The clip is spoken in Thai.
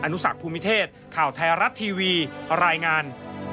นุสักภูมิเทศข่าวไทยรัฐทีวีรายงาน